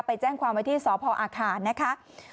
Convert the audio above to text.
ไปแจ้งความไว้ที่สพอาคารนะคะ